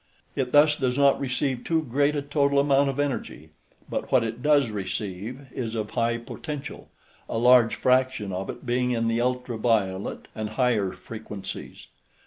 It thus does not receive too great a total amount of energy, but what it does receive is of high potential, a large fraction of it being in the ultra violet and higher frequencies.